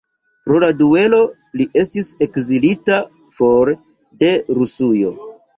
Pro la duelo li estis ekzilita for de Rusujo.